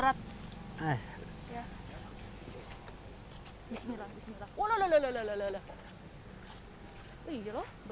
ya allah ya allah